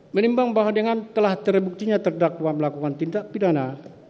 menimbang bahwa dengan telah terbuktinya terdakwa melakukan tindak pidana